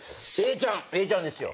永ちゃんですよ。